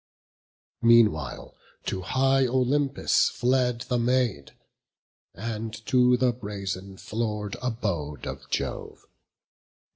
Meanwhile to high Olympus fled the Maid, And to the brazen floor'd abode of Jove.